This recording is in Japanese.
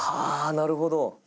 なるほど。